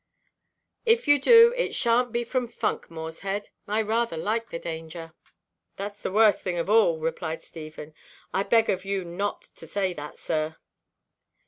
"If you do, it shanʼt be from funk, Morshead. I rather like the danger." "Thatʼs the worst thing of all," replied Stephen; "I beg of you not to say that, sir."